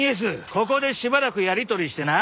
ここでしばらくやり取りしてな。